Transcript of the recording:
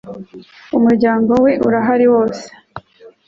umuryango we urahari wose